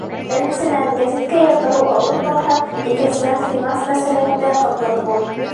Беренсенән, гәзиткә яҙҙырыу ауыр барһа, икенсенән, финанс мәсьәләһендә ҡытлыҡ ҙур.